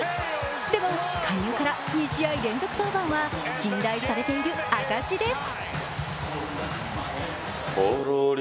でも加入から２試合連続登板は信頼されている証しです。